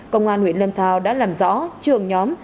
công an huyện lâm thao đã làm rõ trưởng nhóm